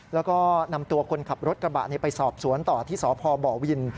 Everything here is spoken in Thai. แล้วก็นำตัวคนขับรถกระบะไปสอบสวนต่อที่สพบวิน